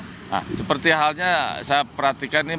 nah seperti halnya saya perhatikan ini